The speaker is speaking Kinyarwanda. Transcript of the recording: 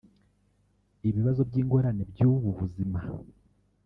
ibibazo n’ingorane by’ubu buzima